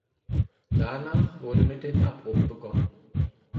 Danach wurde mit dem Abbruch begonnen.